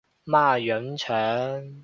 孖膶腸